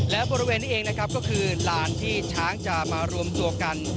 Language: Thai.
และบริเวณนี้เองนะครับก็คือลานที่ช้างจะมารวมตัวกัน